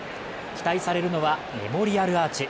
期待されるのはメモリアルアーチ。